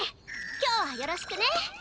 今日はよろしくね。